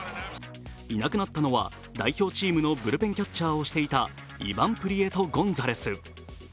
いなくなったのは、代表チームのブルペンキャッチャーをしていたイバン・プリエト・ゴンザレス。